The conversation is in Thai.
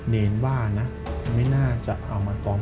เนรว่านะไม่น่าจะเอามากอง